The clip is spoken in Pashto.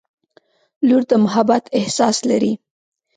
• لور د محبت احساس لري.